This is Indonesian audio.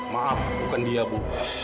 maaf bukan dia bu